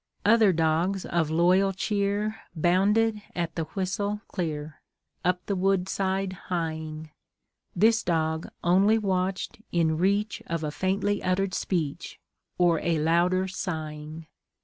Other dogs of loyal cheer Bounded at the whistle clear, Up the woodside hieing This dog only watched in reach Of a faintly uttered speech, Or a louder sighing.